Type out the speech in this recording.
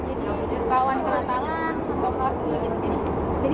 jadi kawan kena tangan bawa kaki gitu gitu